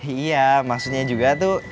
iya maksudnya juga tuh